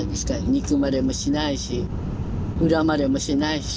憎まれもしないし恨まれもしないし。